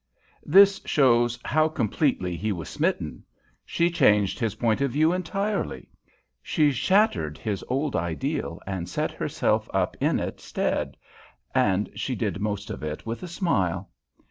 This shows how completely he was smitten. She changed his point of view entirely. She shattered his old ideal and set herself up in its stead, and she did most of it with a smile.